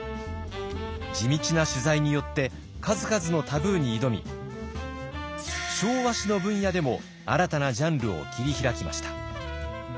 地道な取材によって数々のタブーに挑み昭和史の分野でも新たなジャンルを切り開きました。